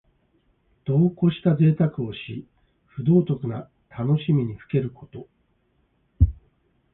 度をこしたぜいたくをし、不道徳な楽しみにふけること。